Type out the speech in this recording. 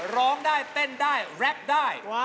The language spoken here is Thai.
ร้องได้เต้นได้แร็กได้